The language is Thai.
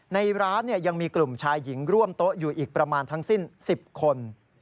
ในร้านยังมีกลุ่มชายหญิงร่วมโต๊ะอยู่อีกประมาณทั้งสิ้น๑๐คน